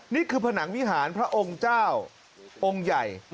นี่คือผนังวิหารพระองค์เจ้าองค์ใหญ่